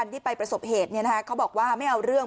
ที่ไปประสบเหตุเขาบอกว่าไม่เอาเรื่อง